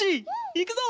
いくぞ！